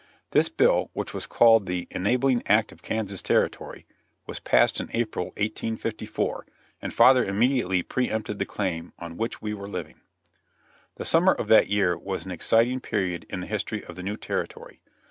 This bill, which was called the "Enabling act of Kansas territory," was passed in April, 1854, and father immediately pre empted the claim on which we were living. The summer of that year was an exciting period in the history of the new territory.